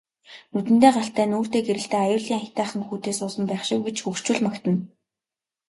Нүдэндээ галтай нүүртээ гэрэлтэй аюулын аятайхан хүүтэй суусан байх шив гэж хөгшчүүд магтана.